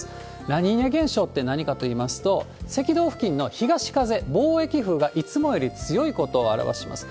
ラニーニャ現象って何かといいますと、赤道付近の東風、貿易風がいつもより強いことを表します。